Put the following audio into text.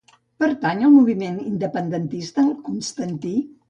Pertany al moviment independentista el Constantí?